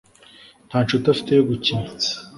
Nta nshuti afite yo gukina